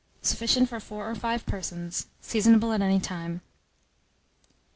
Sufficient for 4 or 5 persons. Seasonable at any time.